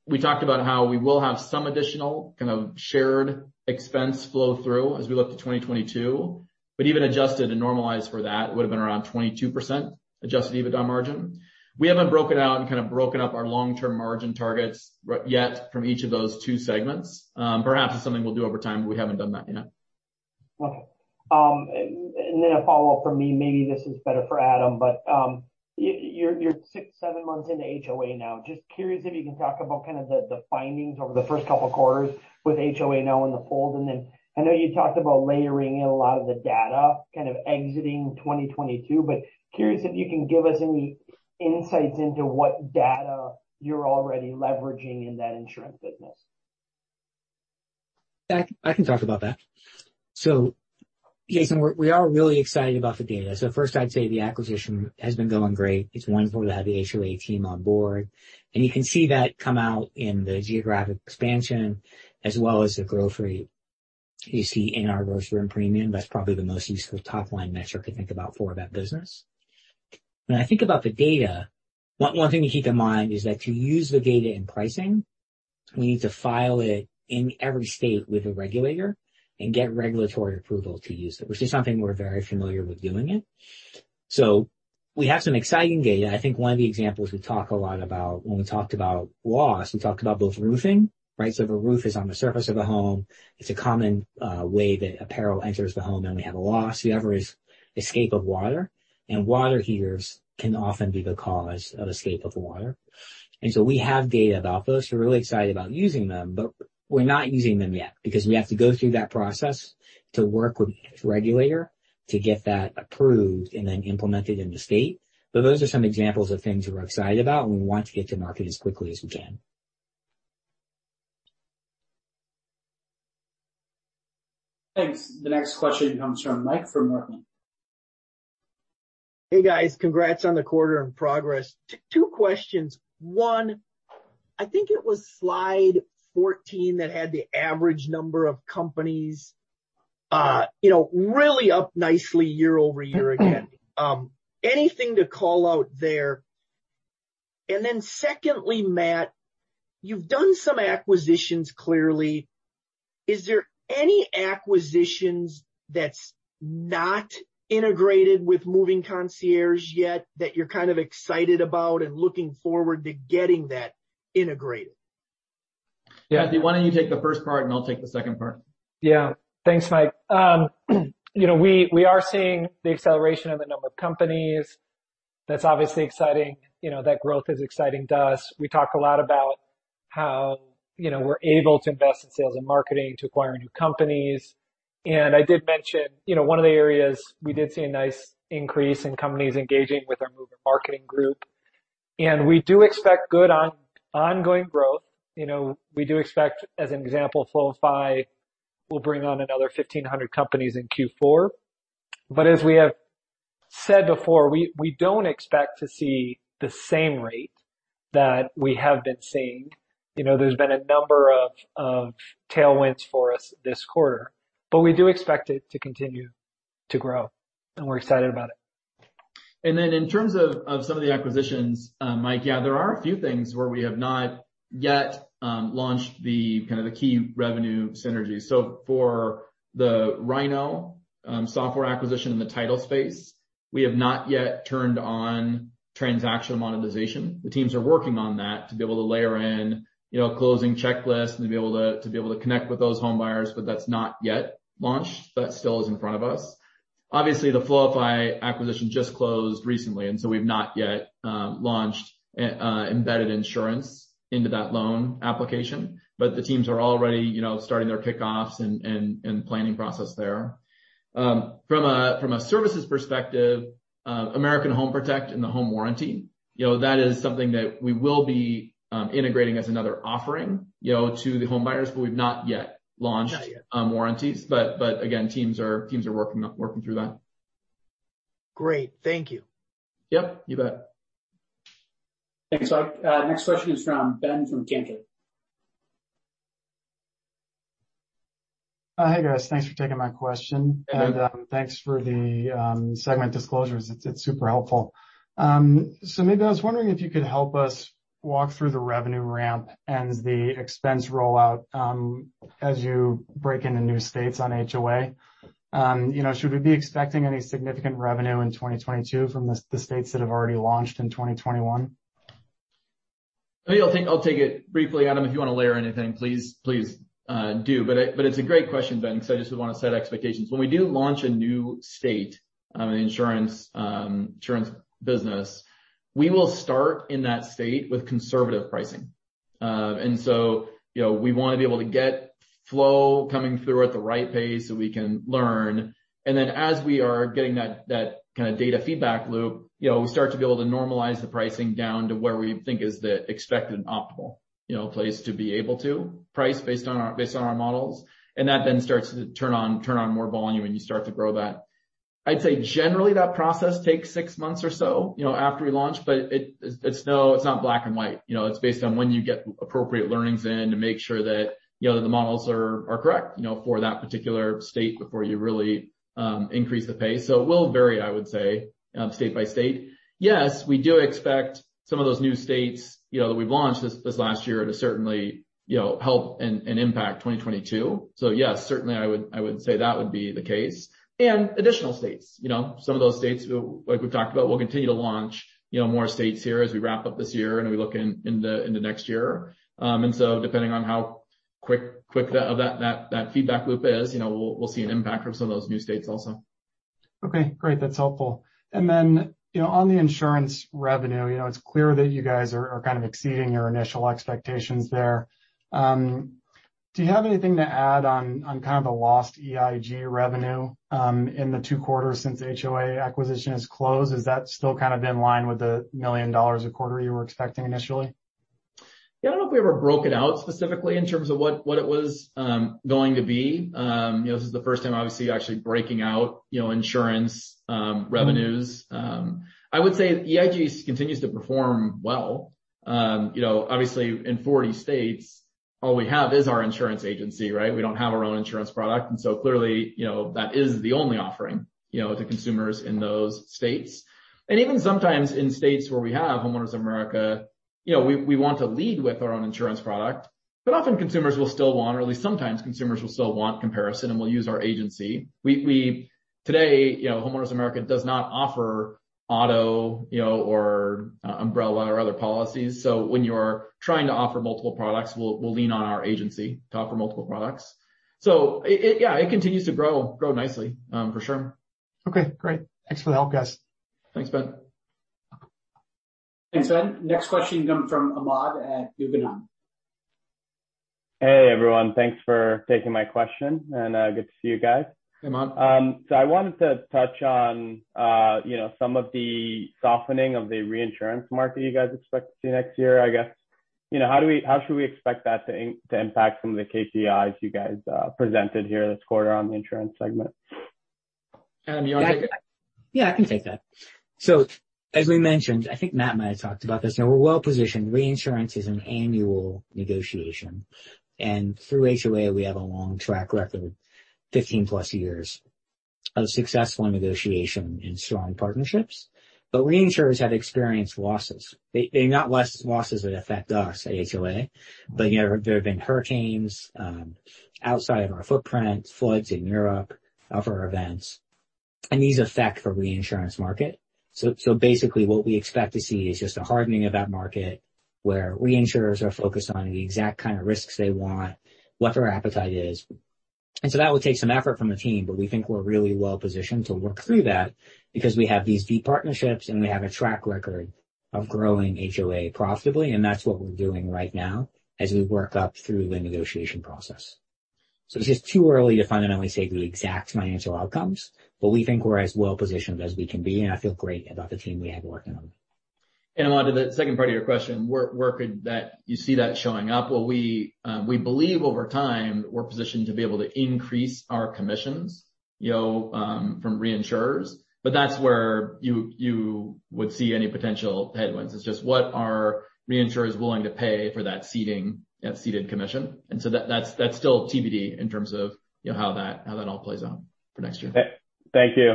we talked about how we will have some additional kind of shared expense flow through as we look to 2022, but even adjusted and normalized for that, it would've been around 22% adjusted EBITDA margin. We haven't broken out and kinda broken up our long-term margin targets yet from each of those two segments. Perhaps it's something we'll do over time. We haven't done that yet. Okay. A follow-up from me, maybe this is better for Adam, but you're six-seven months into HOA now. Just curious if you can talk about kind of the findings over the first couple quarters with HOA now in the fold. I know you talked about layering in a lot of the data kind of exiting 2022, but curious if you can give us any insights into what data you're already leveraging in that insurance business. Yeah, I can talk about that. Jason, we are really excited about the data. First I'd say the acquisition has been going great. It's wonderful to have the HOA team on board, and you can see that come out in the geographic expansion as well as the growth rate you see in our Gross Written Premium. That's probably the most useful top-line metric to think about for that business. When I think about the data, one thing to keep in mind is that to use the data in pricing, we need to file it in every state with a regulator and get regulatory approval to use it, which is something we're very familiar with doing it. We have some exciting data. I think one of the examples we talk a lot about when we talked about loss, we talked about both roofing, right? If a roof is on the surface of a home, it's a common way that a peril enters the home, and we have a loss. The other is escape of water, and water heaters can often be the cause of escape of water. We have data about those. We're really excited about using them, but we're not using them yet because we have to go through that process to work with each regulator to get that approved and then implemented in the state. Those are some examples of things we're excited about, and we want to get to market as quickly as we can. Thanks. The next question comes from Mike from Morgan. Hey, guys. Congrats on the quarter and progress. Two questions. one, I think it was slide 14 that had the average number of companies, you know, really up nicely year-over-year again. Anything to call out there? Secondly, Matt, you've done some acquisitions clearly. Is there any acquisitions that's not integrated with Moving Concierge yet that you're kind of excited about and looking forward to getting that integrated? Yeah. Matthew, why don't you take the first part, and I'll take the second part. Yeah. Thanks, Mike. You know, we are seeing the acceleration of the number of companies. That's obviously exciting. You know, that growth is exciting to us. We talk a lot about how, you know, we're able to invest in sales and marketing to acquire new companies. I did mention, you know, one of the areas we did see a nice increase in companies engaging with our mover marketing group. We do expect good ongoing growth. You know, we do expect, as an example, Floify will bring on another 1,500 companies in Q4. As we have said before, we don't expect to see the same rate that we have been seeing. You know, there's been a number of tailwinds for us this quarter, but we do expect it to continue to grow, and we're excited about it. Then in terms of some of the acquisitions, Mike, yeah, there are a few things where we have not yet launched the kind of the key revenue synergies. For the Rynoh software acquisition in the title space, we have not yet turned on transaction monetization. The teams are working on that to be able to layer in, you know, closing checklist and to be able to connect with those home buyers, but that's not yet launched. That still is in front of us. Obviously, the Floify acquisition just closed recently, and so we've not yet launched embedded insurance into that loan application. But the teams are already, you know, starting their kickoffs and planning process there. From a services perspective, American Home Protect and the home warranty, you know, that is something that we will be integrating as another offering, you know, to the home buyers, but we've not yet launched. Not yet. warranties. Again, teams are working through that. Great. Thank you. Yep, you bet. Thanks, Mike. Next question is from Ben from Canaccord. Hey, guys. Thanks for taking my question. Mm-hmm. Thanks for the segment disclosures. It's super helpful. Maybe I was wondering if you could help us walk through the revenue ramp and the expense rollout as you break into new states on HOA. You know, should we be expecting any significant revenue in 2022 from the states that have already launched in 2021? I think I'll take it briefly. Adam, if you want to layer anything, please, do. But it's a great question, Ben, because I just want to set expectations. When we do launch a new state, insurance business, we will start in that state with conservative pricing. You know, we want to be able to get flow coming through at the right pace so we can learn. As we are getting that kind of data feedback loop, you know, we start to be able to normalize the pricing down to where we think is the expected optimal, you know, place to be able to price based on our models. That then starts to turn on more volume, and you start to grow that. I'd say generally that process takes six months or so, you know, after we launch, but it's not black and white. You know, it's based on when you get appropriate learnings in to make sure that, you know, the models are correct, you know, for that particular state before you really increase the pace. It will vary, I would say, state by state. Yes, we do expect some of those new states, you know, that we've launched this last year to certainly, you know, help and impact 2022. Yes, certainly I would say that would be the case. Additional states, you know, some of those states, like we've talked about, we'll continue to launch, you know, more states here as we wrap up this year and we look into next year. Depending on how quick that feedback loop is, you know, we'll see an impact from some of those new states also. Okay, great. That's helpful. You know, on the insurance revenue, you know, it's clear that you guys are kind of exceeding your initial expectations there. Do you have anything to add on kind of the lost EIG revenue in the two quarters since HOA acquisition has closed? Is that still kind of in line with the $1 million a quarter you were expecting initially? Yeah, I don't know if we ever broke it out specifically in terms of what it was going to be. You know, this is the first time obviously actually breaking out, you know, insurance revenues. I would say EIG continues to perform well. You know, obviously in 40 states, all we have is our insurance agency, right? We don't have our own insurance product, and so clearly, you know, that is the only offering, you know, to consumers in those states. Even sometimes in states where we have Homeowners of America, you know, we want to lead with our own insurance product. But often consumers will still want, or at least sometimes consumers will still want comparison and will use our agency. Today, you know, Homeowners of America does not offer auto, you know, or umbrella or other policies. When you're trying to offer multiple products, we'll lean on our agency to offer multiple products. Yeah, it continues to grow nicely, for sure. Okay, great. Thanks for the help, guys. Thanks, Ben. Thanks, Ben. Next question comes from Amad at Guggenheim. Hey, everyone. Thanks for taking my question and, good to see you guys. Hey, Amad. I wanted to touch on, you know, some of the softening of the reinsurance market you guys expect to see next year, I guess. You know, how should we expect that to impact some of the KPIs you guys presented here this quarter on the insurance segment? Adam, you want to take it? Yeah, I can take that. As we mentioned, I think Matt might have talked about this, and we're well positioned. Reinsurance is an annual negotiation. Through HOA, we have a long track record, 15+ years of successful negotiation and strong partnerships. Reinsurers have experienced losses. They're not losses that affect us at HOA. You know, there have been hurricanes outside of our footprint, floods in Europe, other events, and these affect our reinsurance market. Basically what we expect to see is just a hardening of that market where reinsurers are focused on the exact kind of risks they want, what their appetite is. That will take some effort from the team, but we think we're really well positioned to work through that because we have these deep partnerships, and we have a track record of growing HOA profitably, and that's what we're doing right now as we work up through the negotiation process. It's just too early to fundamentally say the exact financial outcomes, but we think we're as well positioned as we can be, and I feel great about the team we have working on it. Amad, to the second part of your question, where could that show up? Well, we believe over time we're positioned to be able to increase our commissions, you know, from reinsurers. But that's where you would see any potential headwinds. It's just what are reinsurers willing to pay for that ceded commission. That's still TBD in terms of, you know, how that all plays out for next year. Thank you.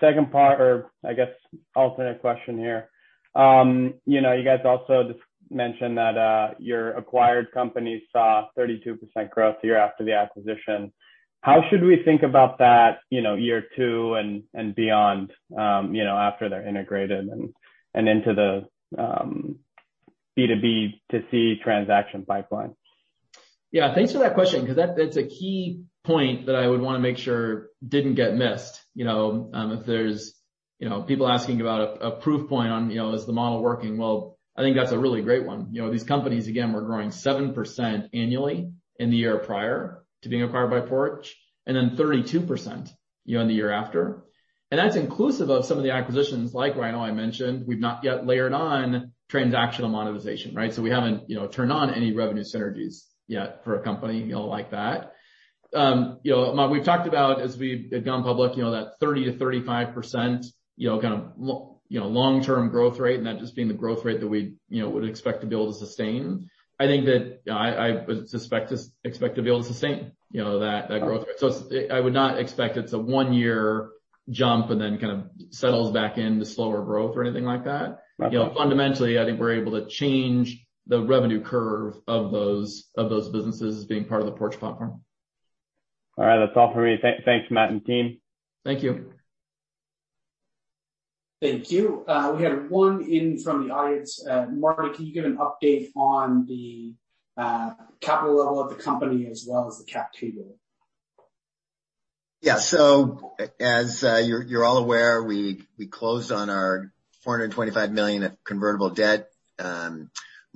Second part, or I guess alternate question here. You know, you guys also just mentioned that, your acquired companies saw 32% growth year after the acquisition. How should we think about that, you know, year two and beyond, after they're integrated and into the B2B-to-C transaction pipeline? Yeah, thanks for that question, 'cause that's a key point that I would wanna make sure didn't get missed. You know, if there's you know people asking about a proof point on, you know, is the model working? Well, I think that's a really great one. You know, these companies again were growing 7% annually in the year prior to being acquired by Porch, and then 32%, you know, in the year after. That's inclusive of some of the acquisitions like Rynoh I mentioned. We've not yet layered on transactional monetization, right? We haven't, you know, turned on any revenue synergies yet for a company, you know, like that. You know, Matt, we've talked about as we've gone public, you know, that 30%-35%, you know, kind of long term growth rate, and that just being the growth rate that we, you know, would expect to be able to sustain. I think that I would expect to be able to sustain, you know, that growth rate. I would not expect it to one year jump and then kind of settles back into slower growth or anything like that. Got it. You know, fundamentally, I think we're able to change the revenue curve of those businesses as being part of the Porch platform. All right. That's all for me. Thanks, Matt and team. Thank you. Thank you. We had one in from the audience. Marty, can you give an update on the capital level of the company as well as the cap table? Yeah. You're all aware, we closed on our $425 million of convertible debt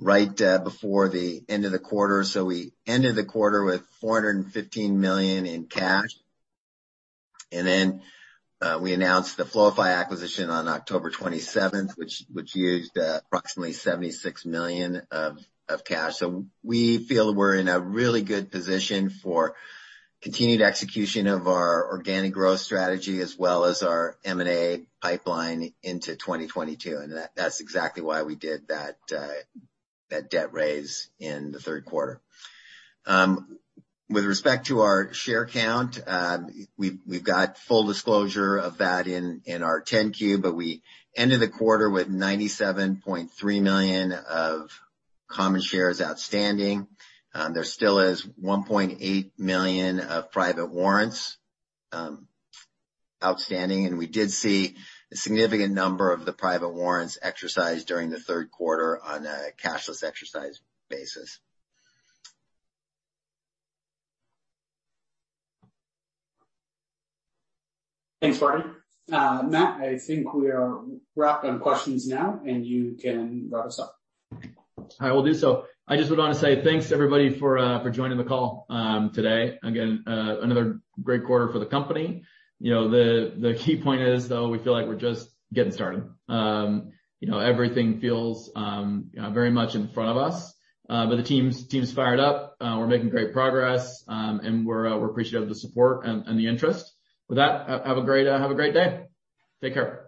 right before the end of the quarter. We ended the quarter with $415 million in cash. We announced the Floify acquisition on October 27, which used approximately $76 million of cash. We feel we're in a really good position for continued execution of our organic growth strategy as well as our M&A pipeline into 2022, and that's exactly why we did that debt raise in the third quarter. With respect to our share count, we've got full disclosure of that in our 10-Q, but we ended the quarter with 97.3 million common shares outstanding. There still is 1.8 million of private warrants outstanding, and we did see a significant number of the private warrants exercised during the third quarter on a cashless exercise basis. Thanks, Marty. Matt, I think we are wrapped on questions now, and you can wrap us up. I will do so. I just would wanna say thanks everybody for joining the call today. Again, another great quarter for the company. You know, the key point is, though, we feel like we're just getting started. You know, everything feels very much in front of us. But the team's fired up. We're making great progress, and we're appreciative of the support and the interest. With that, have a great day. Take care.